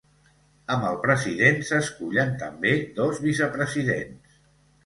Amb el president s'escullen també dos vicepresidents.